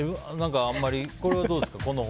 この方法はどうですか？